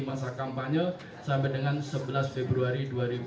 masa kampanye sampai dengan sebelas februari dua ribu dua puluh